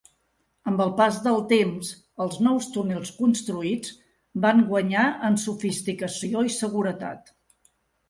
Amb el pas del temps, els nous túnels construïts van guanyar en sofisticació i seguretat.